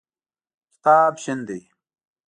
کتاب شین دی.